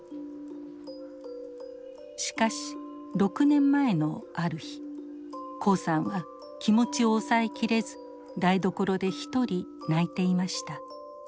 しかし６年前のある日黄さんは気持ちを抑えきれず台所で一人泣いていました。